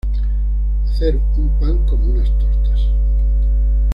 Hacer un pan como unas tortas